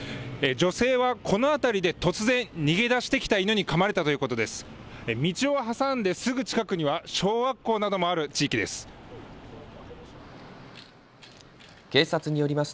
女性はこの辺りで突然、逃げ出してきた犬にかまれたということです。